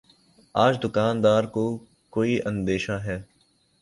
آج دکان دار کو کوئی اندیشہ ہے